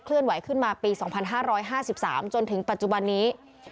ไหวขึ้นมาปี๒๕๕๓จนถึงปัจจุบันนี้